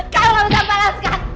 kamu gak bisa membalaskan